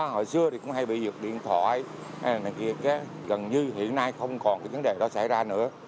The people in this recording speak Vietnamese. hồi xưa thì cũng hay bị giật điện thoại này kia gần như hiện nay không còn cái vấn đề đó xảy ra nữa